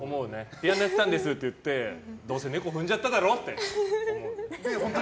ピアノやってたんですって言ってどうせ「猫ふんじゃった」だろって。